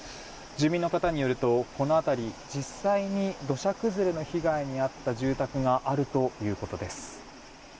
住民の方によると、この辺り実際に土砂崩れの被害に遭った住宅があるということです。